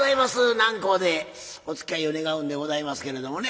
南光でおつきあいを願うんでございますけれどもね。